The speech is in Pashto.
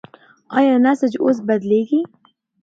ایا نسج اوس بدلېږي؟